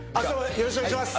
よろしくお願いします。